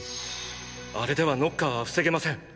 あれではノッカーは防げません。